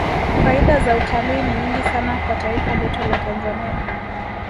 faida za utalii ni nyingi sana kwa taifa letu la tanzania